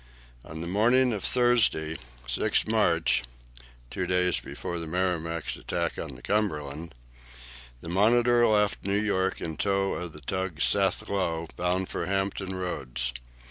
On the morning of Thursday, 6 March (two days before the "Merrimac's" attack on the "Cumberland"), the "Monitor" left New York in tow of the tug "Seth Low," bound for Hampton Roads.